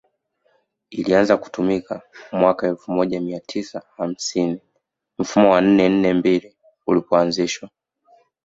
ilianza kutumika mwaka elfu moja mia tisa hamsini mfumo wa nne nne mbili ulipoanzishwa